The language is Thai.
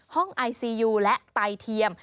ไอซียูและไตเทียม